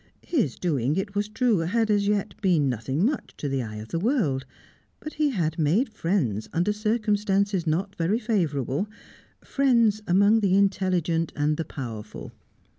His doing, it was true, had as yet been nothing much to the eye of the world; but he had made friends under circumstances not very favourable, friends among the intelligent and the powerful.